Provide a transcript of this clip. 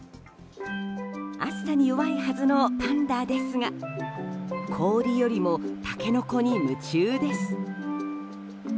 暑さに弱いはずのパンダですが氷よりもタケノコに夢中です。